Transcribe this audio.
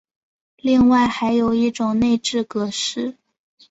另外还有一种内置格式。